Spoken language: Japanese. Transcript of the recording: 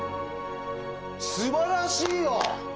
すばらしいよ！